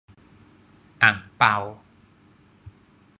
อั่งเปา